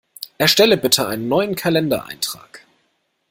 Erstelle bitte einen neuen Kalendereintrag!